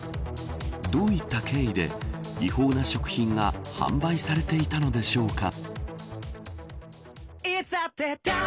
どういった経緯で違法な食品が販売されていたのでしょうか。